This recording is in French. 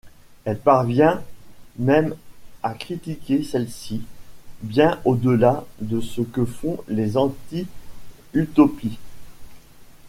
Elle parvient même à critiquer celles-ci bien au-delà de ce que font les anti-utopies.